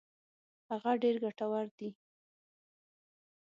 هغه ډېر ګټور دي.